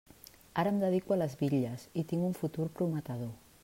Ara em dedico a les bitlles i tinc un futur prometedor.